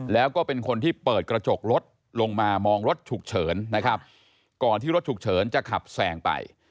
แล้วก็เป็นคนที่เปิดกระจกรถลงมามองรถฉุกเฉินนะครับก่อนที่รถฉุกเฉินจะขับแซงไป